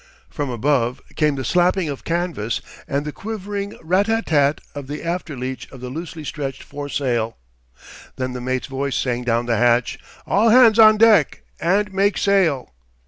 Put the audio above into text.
From above came the slapping of canvas and the quivering rat tat tat of the after leech of the loosely stretched foresail. Then the mate's voice sang down the hatch, "All hands on deck and make sail!"